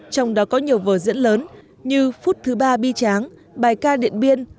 trong đó có nhiều vở diễn lớn như phút thứ ba bi tráng bài ca điện biên